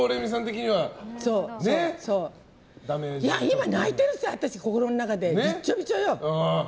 今泣いてるさ、心の中でびっちょびちょよ。